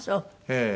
ええ。